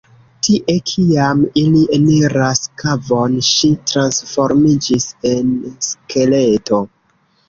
Tie, kiam ili eniras kavon, ŝi transformiĝis en skeleto.